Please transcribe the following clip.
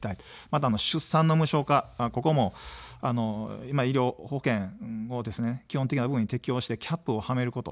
また、出産の無償化、ここも医療保険を基本的に適用してキャップをはめること。